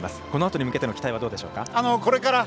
このあとに向けての期待はどうでしょうか？